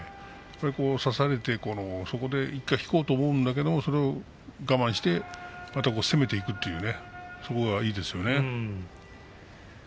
差されてそこで１回引こうと思うんだけれどそこを我慢して攻めていくというそれがいいですね。